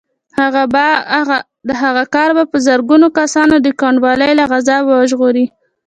د هغه کار به زرګونه کسان د کوڼوالي له عذابه وژغوري